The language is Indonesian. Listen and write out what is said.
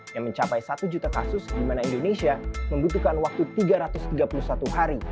yang mencapai satu juta kasus di mana indonesia membutuhkan waktu tiga ratus tiga puluh satu hari